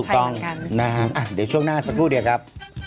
ถูกต้องนะฮะเดี๋ยวช่วงหน้าสักครู่เดียวครับ